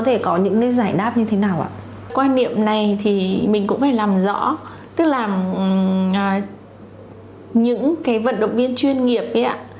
tức là những cái vận động viên chuyên nghiệp ấy ạ